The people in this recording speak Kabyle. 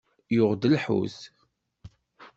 Yuɣ-d lḥut.